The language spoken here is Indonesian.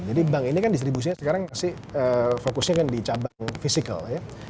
jadi bank ini kan distribusinya sekarang masih fokusnya kan di cabang physical ya